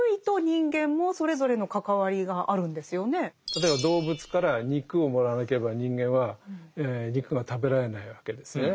例えば動物から肉をもらわなければ人間は肉が食べられないわけですね。